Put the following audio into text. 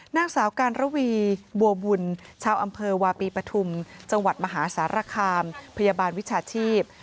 นางสาวการระวีบัวบุญชาวอำเภอวาปีปฐุมจังหวัดมหาสารคามพยาบาลวิชาชีพ